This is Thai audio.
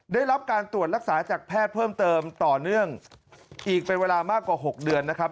ได้รับการตรวจรักษาจากแพทย์เพิ่มเติมต่อเนื่องอีกเป็นเวลามากกว่า๖เดือนนะครับ